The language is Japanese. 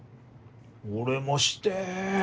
俺もして！